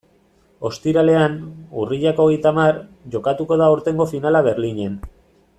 Ostiralean, urriak hogeita hamar, jokatuko da aurtengo finala Berlinen.